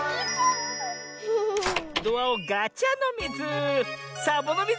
ドアをガチャのミズ！